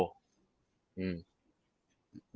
อืม